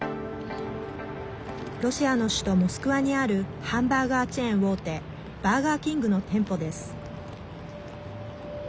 ロシアの首都モスクワにあるハンバーガーチェーン大手バーガーキングの店舗です。